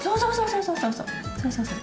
そうそうそうそう！